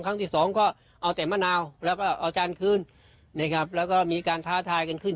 ครั้งที่สองก็เอาแต่มะนาวแล้วก็เอาจานคืนนะครับแล้วก็มีการท้าทายกันขึ้น